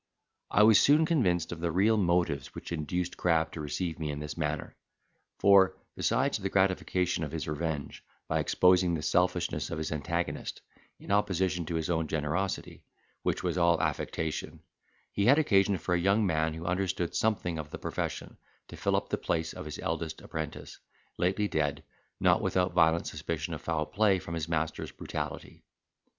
I was soon convinced of the real motives which induced Crab to receive me in this manner; for, besides the gratification of his revenge, by exposing the selfishness of his antagonist, in opposition to his own generosity, which was all affectation, he had occasion for a young man who understood something of the profession, to fill up the place of his eldest apprentice, lately dead, not without violent suspicion of foul play from his master's brutality.